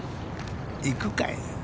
行くかい？